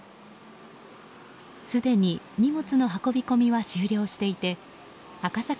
すでに、荷物の運び込みは終了していて赤坂